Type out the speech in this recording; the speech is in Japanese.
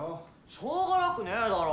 しようがなくねえだろ！